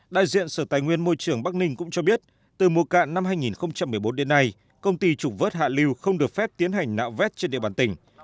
đại diện sở tài nguyên môi trường bắc ninh cũng cho biết từ mùa cạn năm hai nghìn một mươi bốn đến nay công ty trục vớt hạ lưu không được phép tiến hành nạo vét trên địa bàn tỉnh